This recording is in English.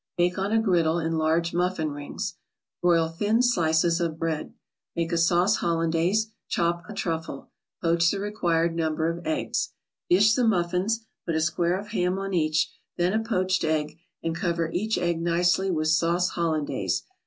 Bake on a griddle in large muffin rings. Broil thin slices of ham. Make a sauce Hollandaise. Chop a truffle. Poach the required number of eggs. Dish the muffins, put a square of ham on each, then a poached egg and cover each egg nicely with sauce Hollandaise.